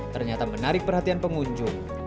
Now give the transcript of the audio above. ternyata menarik perhatian pengunjung